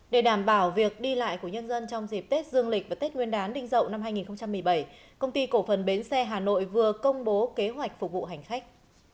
để đảm bảo việc đi lại của nhân dân trong dịp tết dương lịch và tết nguyên đán đinh dậu năm hai nghìn một mươi bảy công ty cổ phần bến xe hà nội vừa công bố kế hoạch phục vụ hành khách